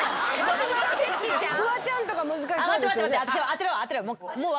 フワちゃんとか難しそう。